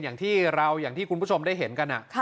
อย่างที่เราอย่างที่คุณผู้ชมได้เห็นกัน